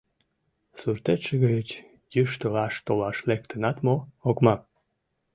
— Суртетше гыч йӱштылаш толаш лектынат мо, окмак?